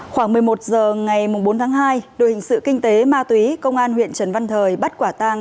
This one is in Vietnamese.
khoảng một mươi một h ngày bốn tháng hai đội hình sự kinh tế ma túy công an huyện trần văn thời bắt quả tang